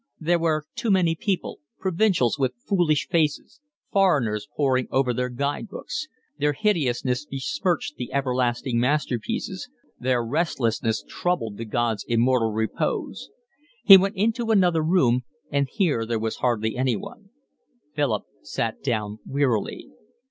There were too many people, provincials with foolish faces, foreigners poring over guide books; their hideousness besmirched the everlasting masterpieces, their restlessness troubled the god's immortal repose. He went into another room and here there was hardly anyone. Philip sat down wearily.